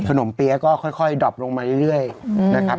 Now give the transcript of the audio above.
ถนมเปี๊ยะก็ค่อยค่อยดรอปลงมาเรื่อยเรื่อยอืมนะครับ